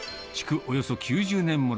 およそ９０年もの。